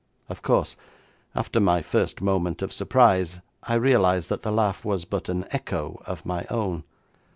Of course, after my first moment of surprise, I realised that the laugh was but an echo of my own.